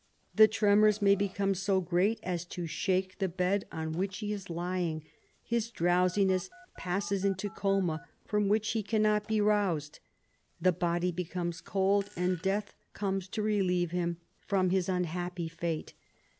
The tremors may become so great as to shake the bed on which he is lying, his drowsiness passes into coma from which he cannot be roused, the body becomes cold, and death comes to relieve him from his unhappy fate.